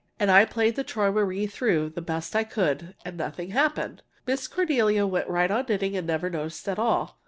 And I played the "Träumerei" through, the very best I could and nothing happened. Miss Cornelia went right on knitting and never noticed it at all.